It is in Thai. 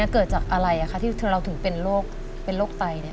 เกิดจากอะไรที่เราถึงเป็นโรคไต